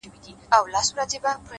خو ستا به زه اوس هيڅ په ياد كي نه يم;